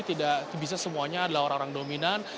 tidak bisa semuanya adalah orang orang dominan